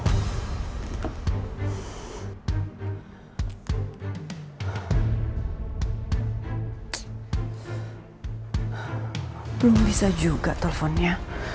belum bisa juga telfonnya